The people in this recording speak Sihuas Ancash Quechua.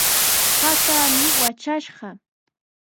Hakaami watrashqa.